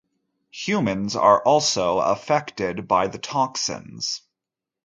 Humans are also affected by the toxins.